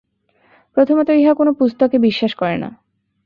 প্রথমত ইহা কোন পুস্তকে বিশ্বাস করে না।